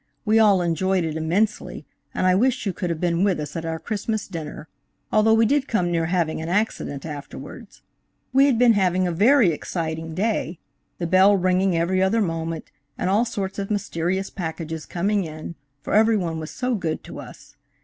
We all enjoyed it immensely, and I wish you could have been with us at our Christmas dinner, although we did come near having an accident afterwards. We had been having a very exciting day, the bell ringing every other moment, and all sorts of mysterious packages coming in, for everyone was so good to us.